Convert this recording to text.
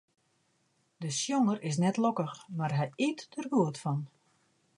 De sjonger is net lokkich, mar hy yt der goed fan.